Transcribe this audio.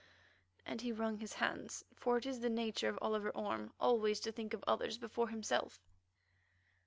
and he wrung his hands, for it is the nature of Oliver Orme always to think of others before himself.